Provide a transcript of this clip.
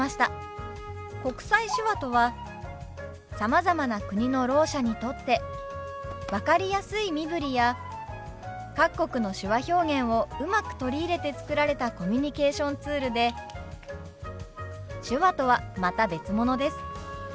国際手話とはさまざまな国のろう者にとって分かりやすい身振りや各国の手話表現をうまく取り入れて作られたコミュニケーションツールで手話とはまた別物です。